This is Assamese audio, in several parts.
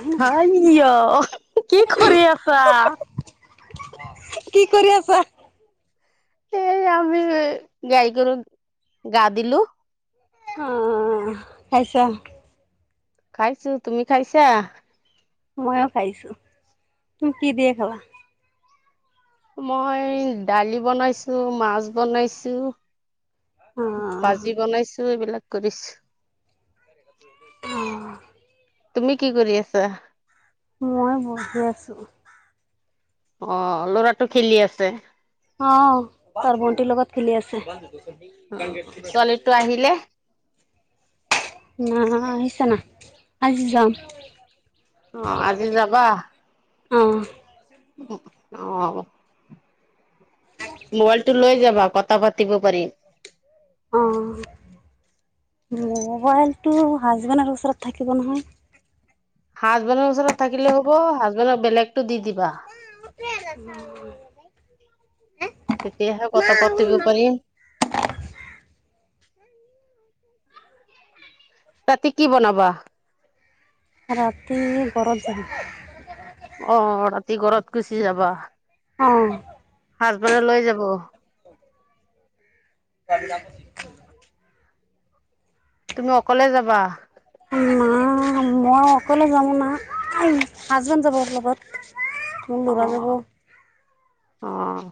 কি হাই অ কি কৰি আছা কি কৰি আছা এই আমি গাই গৰু গা দিলো অ খাইছা খাইছো তুমি খাইছা ময়ো খাইছো তুমি কি দিয়ে খাবা [inaudible] মই দালি বনাইছো মাছ বনাইছো অ ভাজি বনাইছো এইবিলাক কৰিছো [inaudible] অ তুমি কি কৰি আছা মই বহি আছোঁ [inaudible] অ লৰাটো খেলি আছে অ তাৰ ভণ্টিৰ লগত খেলি আছে অ অ ছোৱালীটো আহিলে ন আহিছ না আজি যাম [inaudible] অ আজি যাবা অঁ অঁ মোবাইলটো লৈ যাবা কথা পাতিব পাৰিম। অহ। মোবাইলটো হাজবেণ্ডৰ ওচৰত থাকিব নহয়। হাজবেণ্ডৰ ওচৰত থাকিলে হব হাজবেণ্ডৰ বেলেগতটো দি দিবি [unintelligible] তেতিয়া অহ কথা পাতি পাৰিম। [unintelligible] ৰাতি কি বনাবা? ৰাতি ঘৰত যাম। অ ৰাতি ঘৰত গুচি যাবা? অঁ হাজবেণ্ডক লৈ যাব। [inaudible] [unintelligible] তুমি অকলে যাবা? না মই অকলে যাম না, হাজবেণ্ড যাব লগত। মোৰ অ ল'ৰা যাব। অ'।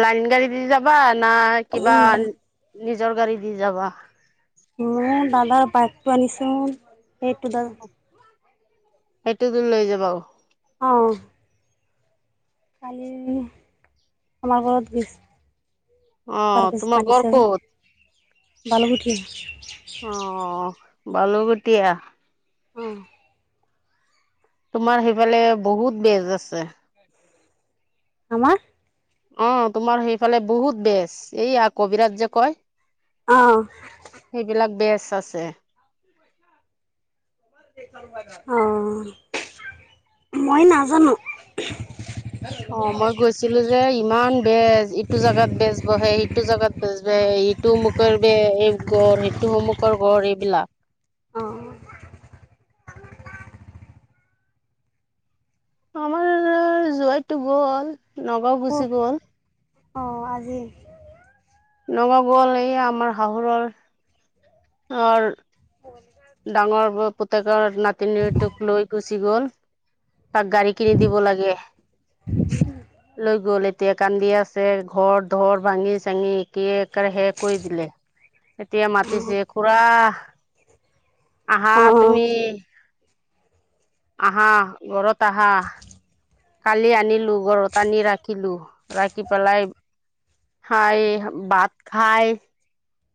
লাইন গাড়ী দি যাবা? না, কিবা নিজৰ গাড়ী দি যাবা? মই দাদাৰ বাইকটো আনিছোঁ, সেইটো দা সেইটোতো লৈ যাব। অ'। কালি আমাৰ ঘৰত বিছ অ তোমাৰ ঘৰ ক'ত [unintelligible] [unintelligible] গুটীয়া অ'। তোমাৰ সেইফালে বহুত বেজ আছে। আমাৰ? অ', তোমাৰ সেইফালে বহুত বেচ, এইয়া কবিৰাজ যে, কয়। অ'। [unintelligible] আছে। অ', মই নাজানোঁ। অ', মই গৈছিলোঁ যে, ইমান বেজ ইটো জেগাত বেজ বহে, সিটো জেগাত বেজ বহে ইটো অমুকৰ বে-এই গৰ, সেইটো অমুকৰ গৰ এইবিলাক অ'। আমাৰ জোৱাইটো গ'ল, নগাঁও গুচি কওক গ'ল। অঁ আজি নগা গল এই আমাৰ শাহুৰৰ আৰু ডাঙৰ পুতেকৰ নাতিনীটোক লৈ গুচি গ'ল তাক গাড়ী কিনি দিব লাগে লৈ গল এতিয়া কান্দিয়া আছে ঘৰ ধৰ ভাঙি চাঙি কি শেষ কৰি দিলে এতিয়া মাতিছে খুৰা আহা অঁ তুমি আহা ঘৰত আহা কালি আনিলো ঘৰত আনি ৰাখিলো ৰাখি পেলাই হয় ভাত খায়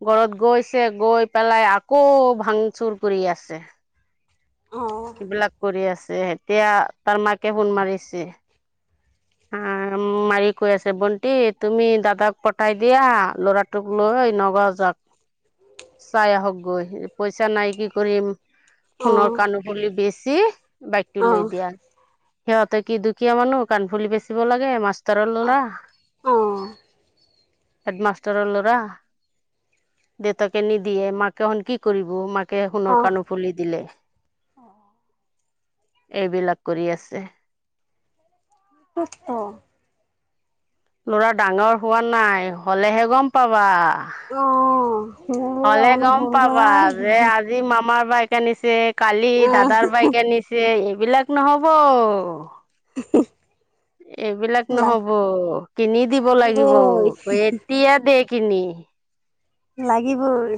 ঘৰত গৈছে গৈ পেলাই আকৌ ভাংচুৰ কৰি আছে অঁ সবিলাক কৰি আছে এতিয়া তাৰ মাকে ফোন মাৰিছে [inaudible] মাৰি কৈ আছে ভণ্টি তুমি দাদাক পঠাই দিয়া লৰাটোক লৈ নগ তাত চাই আহক গৈ পইচা নাই কি কৰিম অঁ সোণৰ কাণ ফুলি বেছ বাইক টো লৈ অঁ দিয়া সিহঁতে কি দুখীয়া মানুহ কাণফুলি বেচিব লাগে মাছ তৰলা অঁ হেডমাষ্টাৰৰ ল'ৰা দেউতাকে নিদিয়ে মাকেন কি কৰিব মাকে ে সোণৰ অঁ কাণ ফুলি দিলে এইবিলাক কৰি আছে অত লৰা ডাঙৰ হোৱা নাই হলেহে গম পাবা। অঁ মোৰ হলে আৰুনো গম হ'ল পাবা যে নহয় আজি মামাৰ, বাইক আনিছে কালি আহ দাদাৰ বাইক আনিছে এইবিলাক নহব। [unintelligible] এইবিলাক লা নহব কিনি দিব লাগিব লাগিবই এতিয়া দে, কিনি। লাগিবই।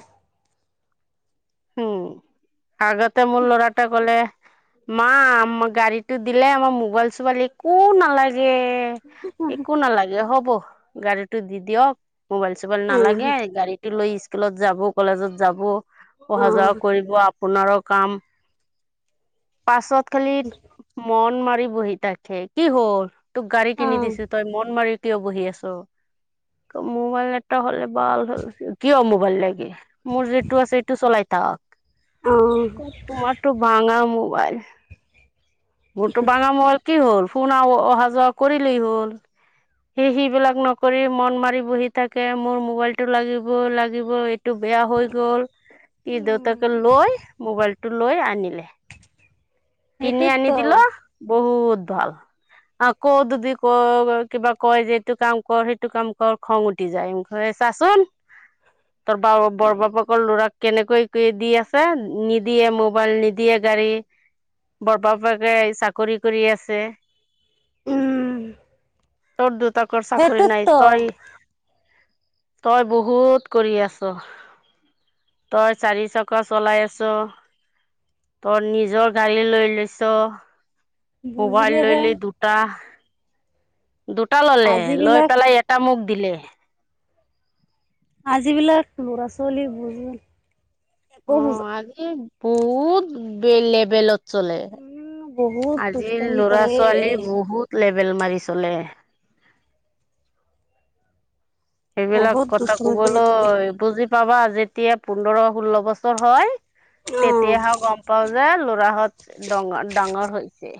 উম আগতে মোৰ ল'ৰাটোৱে ক'লে। মা গাড়ীটো দিলে মোক মোবাইল চোবাইল একো নালাগে। যে একো নালাগে হ'ব গাড়ীটো দি দিয়ক। মোবাইল চোবাইল অঁ নালাগে গাড়ীটো লৈ স্কুলত যাব কলেজত যাব। অহা অঁ যোৱা কৰিব আপোনাৰো কাম। পাছত খালি মন মাৰি বহি থাকে কি হ'ল। তোক গাড়ী কিনি অঁ দিছো তই মন মাৰি কিয় বহি আছ মোবাইল এটা হলে ভাল হ'ল কিয় মোবাইল লাগে, মোৰ যিটো আছে সেইটো চলাই থাক অ'। তোমাৰটো ভাঙা, [unintelligible] মোৰতো ভাঙা হল কি হ'ল ফোন অহা যোৱা কৰিলেই হ'ল, সেই সি বিলাক নকৰি মন মাৰি বহি থাকে মোৰ মোবাইলতটো লাগিব লাগিবই, টো বেয়া হৈ গ'ল কি উম। দেউতাকে লৈ মোবাইলটো, লৈ আনিলে কিনি আনি সেইটোতো দিল বহুত, ভাল অ ক' দদি ক কিবা কয় যে এইটো কাম কৰ সেইটো কাম কৰ খং উঠি যায় চাচোন। তোৰ ব বৰ বাপেকৰ ল'ৰাক কেনেকৈ দি আছে নিদিয়ে মোবাইল নিদিয়ে-' গাড়ী বৰ বাপেকে চাকৰি কৰি আছে। উম। তোৰ দুতাকৰ চাকৰি নাই সেইটোতো তই? তই বহুত কৰি আছ, তই চাৰিচক চলাই আছ। তই নিজৰ গাড়ী লৈ লৈছ? মোবাইল বুজিলেহে ললি দুটা, দুটা ললে লৈ আজিবিলাক পেলাই এটা মোক দিলে, আজিবিলাক ল'ৰা ছোৱালী বুজ একো অ বুজা আ বহুত লেবেলত চলে, উম, বহুত আজি দুষ্টামি লৰা কৰে ছোৱালী বহুত ল বেল মাৰি চলে, সেইবিলাক বহুত কথা দুষ্টামি কৰি থাকে। কবলৈ বুজি পাবা আ যেতিয়া পোন্ধৰ ষোল্ল বছৰ হয়। অ', তেতিয়াহে গম পাও যে লৰাহত ডঙৰ ডাঙৰ হৈছে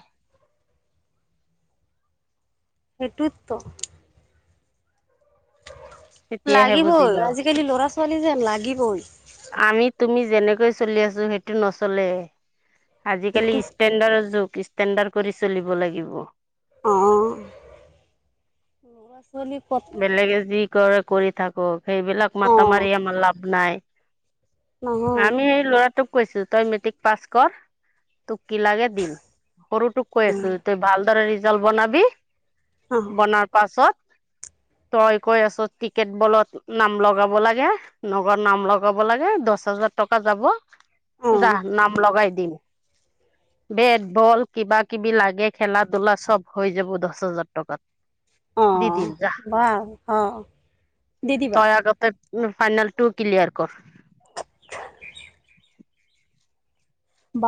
হেটোত্ত [unintelligible] তেতিয়াহে বুজি লাগিবই পাবা আজিকালি ল'ৰা ছোৱালী যে লাগিবই। আমি তুমি যেনেকৈ চলি আছো সেইটো নচলে। আজিকালি সেইটো ষ্টেণ্ডাৰ্ৰ যুগ ষ্টেণ্ডাৰ্ কৰি চলিব লাগিব। আহঁ। বেলেগে যি কৰে কৰি থাকক, সেইবিলাক মাতা অ', মাৰি আমাৰ লাভ নাই। নহয় আমি সেই ল'ৰাটোক কৈছো তই মেট্ৰিক পাছ কৰ। তোক কি লাগে দিম সৰুটোক কৈ আছো তই ভালদৰে ৰিজাল্ট বনাবি অ', বনাৰ পাছত [inaudible] [unintelligible] তই কৈ আছ টিকেট বলত নাম লগাব লাগে নগদ নাম লগাব লাগে দহ হাজাৰ ডোছ হাজাৰ টকা যাব যাহ অ', নাম লগাই দিম। বেট বল কিবা কিবি লাগে খেলা ধূলা চব হৈ যাব দহ হাজাৰ টকাত। দি দিম। যা বাহ অ দি দিবা। উম ফাইণল টু ক্লিয়াৰ কৰ। [unintelligible] [unintelligible]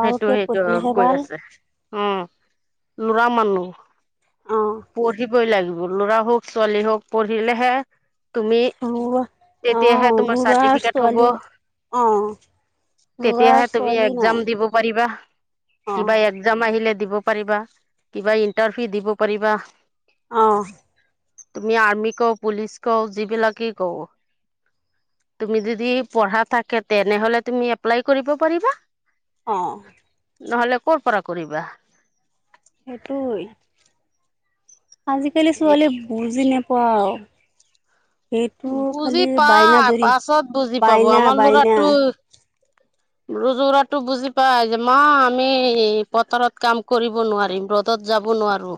সেইটো সেইটো পঢ়িলেহে কৈ বাল আছে। অ লুৰা মানো অঁ পঢ়ি পঢ়িবই লাগিব ল'ৰা হওক ছোৱালী হওক পঢ়িলেহে তুমি ল'ৰা অঁ তেতিয়াহে তোমাৰ ল'ৰা চাৰ্টিফিকেট হব। ছোৱালী অঁ ল'ৰা তেতিয়াহে তুমি ছোৱালী নাই এক্জাম দিব পাৰিবা অঁ কিবা এক্জাম আহিলে দিব পাৰিবা কিবা ইণ্টাৰভিউ দিব পাৰিবা। আহঁ। তুমি আৰ্মি কও পুলিচ কওঁ যিবিলাকেই কওঁ। তুমি যদি পঢ়া থাকে তেনেহলে তুমি এপ্লাই কৰিব পাৰিবা। অঁ। নহ'লে ক'ৰ পৰা কৰিবা। সেইটোৱেই। আজিকালি ছোৱালীয়ে বুজি নপোৱা আৰু এইটো বুজি খালি বাইনা পাই ধৰি পাছত বুজি পাব বাইনা বাইনা। ৰজৰাটো বুজি পাই যে মা আমি পথাৰত কাম কৰিব নোৱাৰিম ৰ'দত। যাব নোৱাৰো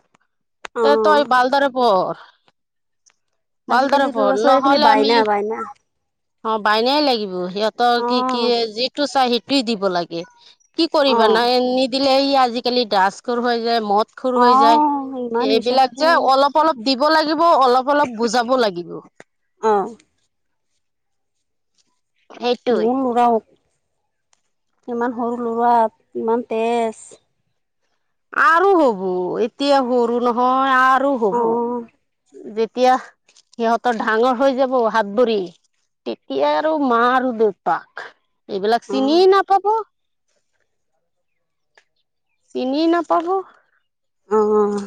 তে অঁ তই বালদৰে পহ। বাল দৰে আজিকালি পহ ল'ৰা ছোৱালী খালি নহলে আমি বাইনা বাইনা অ' বাইনাই লাগিব সিহঁতৰ কি অঁ কি যিটো চাই সেইটোেই দিব লাগে। কি কৰিবা অঁ নাই নিদিলে সি আজিকালি ডাস্কৰ হয়। মদ খুৰ হৈ যায় অঁ ইমান এইবিলাক যে নিচাকুৰ অলপ -অলপ দিব লাগিব অলপ- অলপ বুজাব লাগিব। অঁ সেইটোৱে। মোৰ লৰাও ইমান সৰু ল'ৰা ইমান তেজ। আৰু হব এতিয়া সৰু নহয়, আৰু হব অঁ যেতিয়া সিহঁতৰ ডাঙৰ হৈ যাব হাত ভৰি। তেতিয়া আৰু মা আৰু দেউতাক এইবিলাক অ', চিনিয়ে নাপাব। চিনি নাপাব। অ'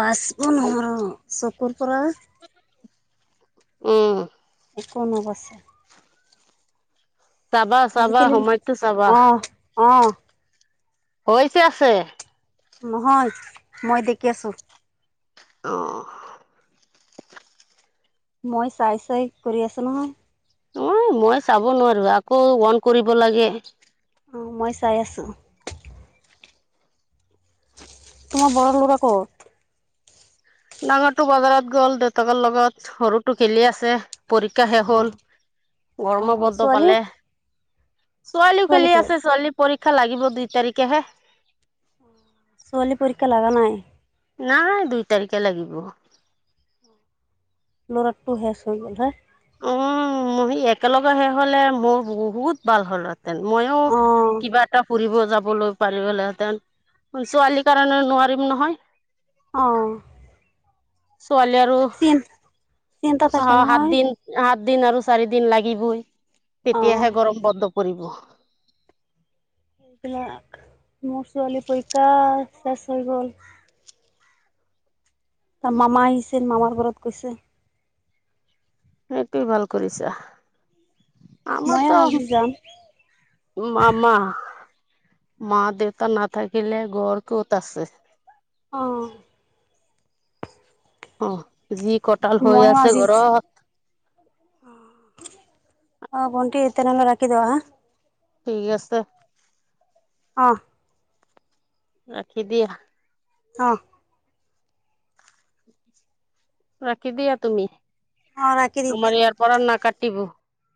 বাছ নহৰ চুকুৰ পৰা উম। [inaudible] চাবা আজি চাবা কালি সময়টো চাবা অ' অ' হৈ হৈছে আছে নহই মই দেখি আছো অ মই চাই চাই কৰি আছো নহয় অ মই চাব নোৱাৰো আকৌ অন কৰিব লাগে অ মই চাই আছো তোমাৰ বৰ লৰা কত ডাঙৰটো বজাৰত গ'ল দেউতাকৰ লগত সৰুটো খেলি আছে পৰীক্ষা শেষ হল অ', গৰম অ', বদ্ধ ছোৱালী পালে ছোৱালীও ছোৱালী খেলি ক'ত আছে ছোৱালী পৰীক্ষা লাগিব দুই তাৰিখেহে ছোৱালী পৰীক্ষা লগা নাই নাই দুই তাৰিখে লাগিব ল'ৰাটো শেষ হৈ গ'ল হা উমি একেলগে সে হলে মোৰ বহুত ভাল হ'ল আৰু মইো অ', কিবা এটা ফুৰিব যাবলৈ পাৰিলেহেঁতেন ছোৱালীৰ কাৰণে নোৱাৰিম নহয় আহঁ ছোৱালি আৰু চিন্তা অ থাকে নহয় সাতদিন সাত দিন আৰু চাৰি দিন লাগিবই অ', তেতিয়াহে গৰম প কৰিব সেইবিলাক মোৰ ছোৱালী পৰীক্ষা শেষ হৈ গ'ল তাৰ মামা আহিছিল মামাৰ ঘৰত গৈছে সটোৱেই ভাল কৰিছা ময়ো আমাৰতো আজি যাম মামা মা দেউতা ন থাকিলে ঘৰ ক'ত আছে আহ অ যি কটাল হৈ ময়ো আছে আজি ঘৰত অ ভণ্টি তেনেহলে ৰাখি দি ওঁ হা ঠিক আছেছে অ ৰাখি দিয়া অ ৰাখি দিয়া তুমি অ ৰাখি দি আমাৰ ইয়াৰ পৰাৰ না কাটিব